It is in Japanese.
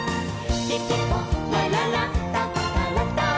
「ピピポラララタプタラタン」